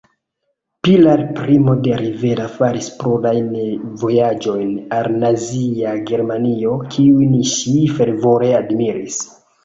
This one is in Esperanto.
Pilar Primo de Rivera faris plurajn vojaĝojn al Nazia Germanio, kiun ŝi fervore admiris.